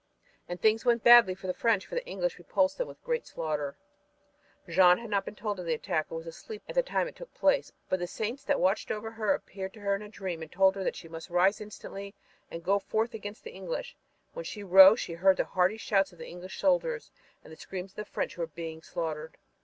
And things went badly for the French, for the English repulsed them with great slaughter. Jeanne had not been told of the attack and was asleep at the time it took place, but the Saints that watched over her appeared to her in a dream and told her that she must rise instantly and go forth against the English; and when she rose she heard the hearty shouts of the English soldiers and the screams of the French who were being slaughtered.